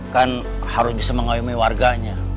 kan harus bisa mengayomi warganya